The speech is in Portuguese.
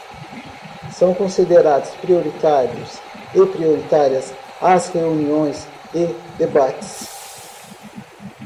São considerados prioritários e prioritárias as reuniões e debates